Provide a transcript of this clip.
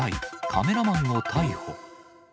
カメラマンを逮捕。